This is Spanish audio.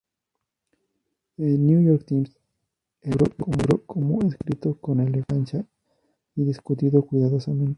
El "New York Times" elogió el libro como ""escrito con elegancia y discutido cuidadosamente"".